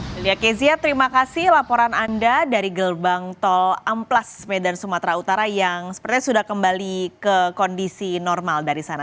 wilia kezia terima kasih laporan anda dari gerbang tol amplas medan sumatera utara yang sepertinya sudah kembali ke kondisi normal dari sana